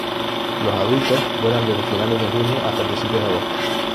Los adultos vuelan desde finales de junio hasta principios de agosto.